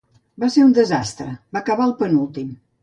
Va ser un desastre: va acabar penúltim.